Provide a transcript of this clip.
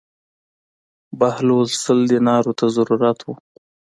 بهلول سل دینارو ته ضرورت و.